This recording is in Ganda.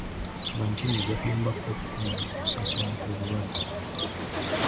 Kalantiini ejja kuyambako okukomya okusaasaana kw'obulwadde.